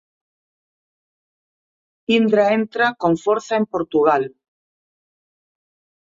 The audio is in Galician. Indra entra con forza en Portugal